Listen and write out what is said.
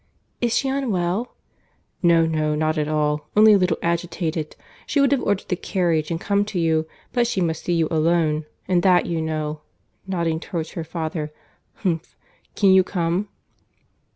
"Is she unwell?" "No, no, not at all—only a little agitated. She would have ordered the carriage, and come to you, but she must see you alone, and that you know—(nodding towards her father)—Humph!—Can you come?"